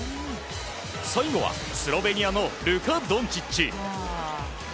最後はスロベニアのルカ・ドンチッチ。